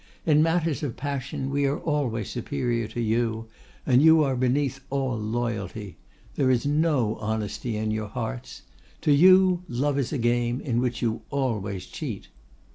In matters of passion we are always superior to you, and you are beneath all loyalty. There is no honesty in your hearts. To you love is a game in which you always cheat.